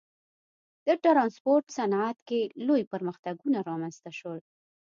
د ټرانسپورت صنعت کې لوی پرمختګونه رامنځته شول.